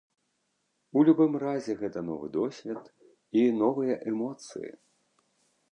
У любым разе, гэта новы досвед і новыя эмоцыі.